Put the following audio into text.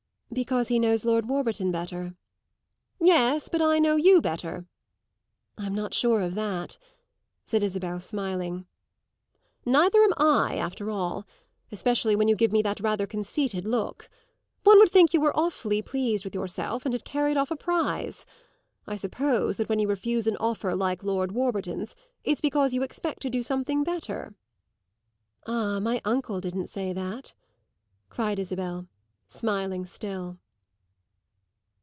"Because he knows Lord Warburton better." "Yes, but I know you better." "I'm not sure of that," said Isabel, smiling. "Neither am I, after all; especially when you give me that rather conceited look. One would think you were awfully pleased with yourself and had carried off a prize! I suppose that when you refuse an offer like Lord Warburton's it's because you expect to do something better." "Ah, my uncle didn't say that!" cried Isabel, smiling still.